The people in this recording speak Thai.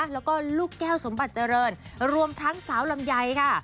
แล้วก็ลูกแก้วสมบัติเจริญรวมทั้งสาวลำไยค่ะ